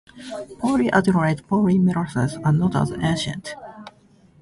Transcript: Polyadenylate polymerases are not as ancient.